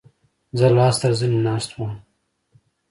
زه لاس تر زنې ناست وم.